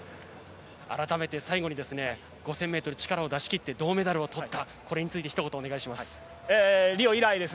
改めて最後に５０００ｍ、力を出し切って銅メダルをとったこれについてひと言お願いします。